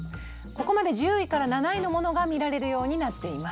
ここまで１０位から７位のものが見られるようになっています。